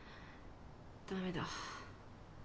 ダメだ。